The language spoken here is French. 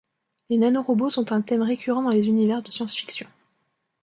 Les nanorobots sont un thème récurrent dans les univers de science-fiction.